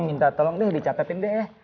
minta tolong deh dicatatin deh